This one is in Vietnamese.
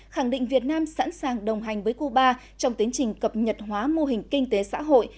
khẳng định việt nam sẵn sàng đồng hành với cuba trong tiến trình cập nhật hóa mô hình kinh tế xã hội